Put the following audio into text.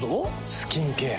スキンケア。